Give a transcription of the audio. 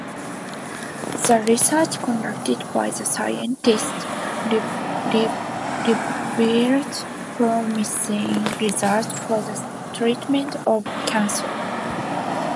The research conducted by the scientists revealed promising results for the treatment of cancer.